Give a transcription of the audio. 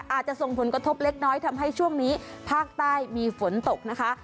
อาจจะส่งผลกระทบเล็กน้อยทำให้ช่วงนี้ภาคใต้มีฝนตกนะคะ